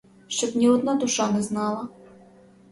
Щоб ні одна душа не знала.